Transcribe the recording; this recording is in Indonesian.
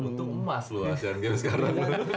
untung emas loh asian game sekarang